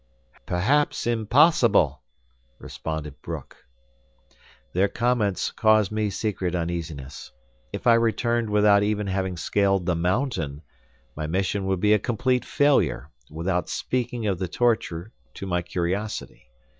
"Perhaps impossible," responded Bruck. Their comments caused me secret uneasiness. If I returned without even having scaled the mountain, my mission would be a complete failure, without speaking of the torture to my curiosity.